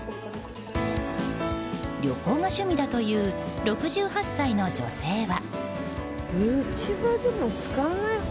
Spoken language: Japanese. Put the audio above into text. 旅行が趣味だという６８歳の女性は。